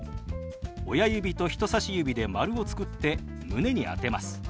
親指と人さし指で丸を作って胸に当てます。